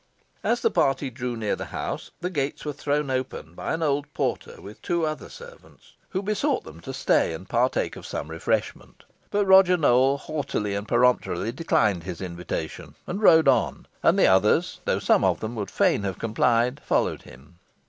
As the party drew near the house, the gates were thrown open by an old porter with two other servants, who besought them to stay and partake of some refreshment; but Roger Nowell haughtily and peremptorily declined the invitation, and rode on, and the others, though some of them would fain have complied, followed him.